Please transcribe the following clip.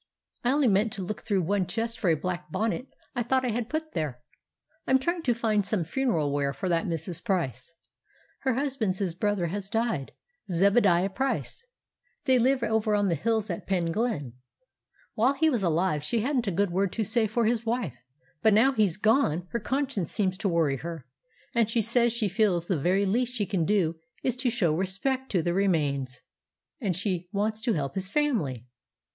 "I only meant to look through one chest for a black bonnet I thought I had put there—I'm trying to find some funeral wear for that Mrs. Price. Her husband's brother has died, Zebadiah Price; they live over the hills at Penglyn. While he was alive, she hadn't a good word to say for his wife; but now he's gone, her conscience seems to worry her, and she says she feels the very least she can do is 'to show respeck to the remains,' and she wants to help his family.